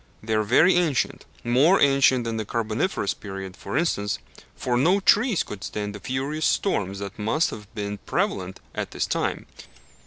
They are very ancient more ancient than the Carboniferous period, for instance, for no trees could stand the furious storms that must have been prevalent at this time.